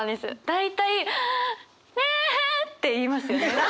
大体「ああへえ！」って言いますよね。